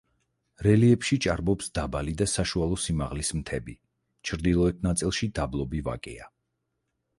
რელიეფში ჭარბობს დაბალი და საშუალო სიმაღლის მთები, ჩრდილოეთ ნაწილში დაბლობი ვაკეა.